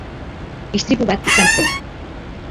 Istripu bat izan zen.